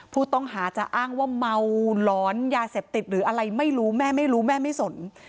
ผู้ต้องหาจะอ้างว่าเมาหลอนยาเสพติดหรืออะไรไม่รู้แม่ไม่รู้แม่ไม่สน